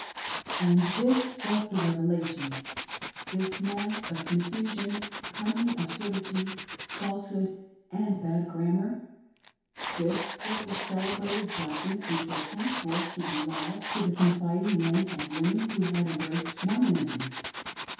And this 'was the " revelation !"— this mass of confusion, cunning absurdity, falsehood, and bad grammar! TAii was HOW THIS "revelation" CAME TO ME. 1 39 the celebrated document which was henceforth to be law to the confiding men and women who had embraced Mormonism